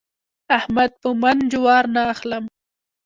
احمد په من جوارو نه اخلم.